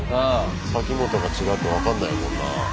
サキモトが違うって分かんないもんな。